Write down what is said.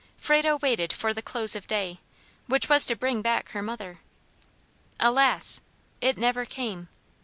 Frado waited for the close of day, which was to bring back her mother. Alas! it never came.